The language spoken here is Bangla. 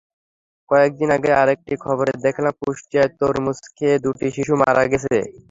কয়েক দিন আগে আরেকটি খবরে দেখলাম, কুষ্টিয়ায় তরমুজ খেয়ে দুটি শিশু মারা গেছে।